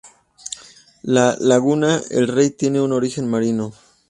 La laguna El Rey tiene un origen marino.